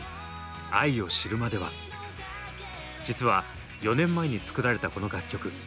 実は４年前に作られたこの楽曲。